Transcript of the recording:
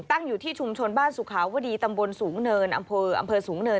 ตั้งอยู่ที่ชุมชนบ้านสุขาวดีตำบลสูงเนินอำเภอสูงเนิน